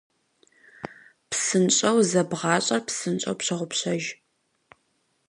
Псынщӏэу зэбгъащӏэр псынщӏэу пщогъупщэж.